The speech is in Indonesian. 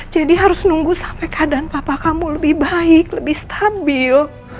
jadi harus nunggu sampai keadaan bapak kamu lebih baik lebih stabil